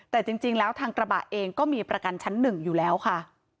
แต่จริงแล้วทางกระบะเองก็มีประกันชั้นหนึ่งอยู่แล้วค่ะ